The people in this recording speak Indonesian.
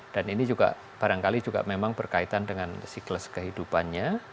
dan ini juga barangkali juga memang berkaitan dengan siklus kehidupannya